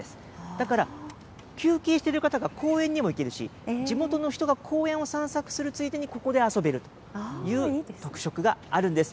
だから、休憩している方が公園にも行けるし、地元の人が公園を散策するついでに、ここで遊べるという特色があるんです。